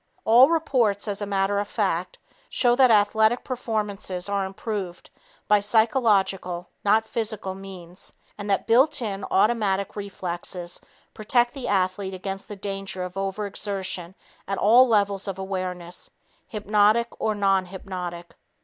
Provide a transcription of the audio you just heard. All reports, as a matter of fact, show that athletic performances are improved by psychological, not physical, means, and that built in automatic reflexes protect the athlete against the danger of overexertion at all levels of awareness hypnotic or non hypnotic.